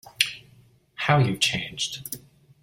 How you've changed!